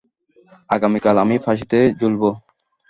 আগামীকাল আমি ফাঁসিতে ঝুলব।